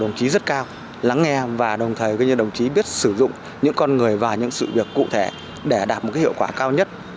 đồng chí rất cao lắng nghe và đồng thời đồng chí biết sử dụng những con người và những sự việc cụ thể để đạt một hiệu quả cao nhất